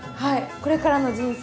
これからの人生